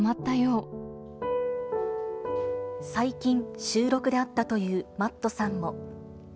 最近、収録で会ったというＭａｔｔさんも。